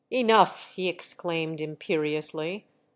" Enough !" he exclaimed, imperiously.